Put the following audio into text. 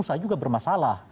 saya juga bermasalah